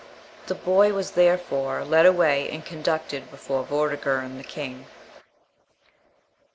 The boy was, therefore, led away, and conducted before Vortigern the king. (1) V.